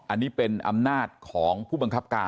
อันนี้เป็นอำนาจของผู้บังคับการ